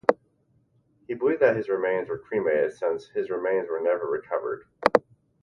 It is believed that his remains were cremated since his remains were never recovered.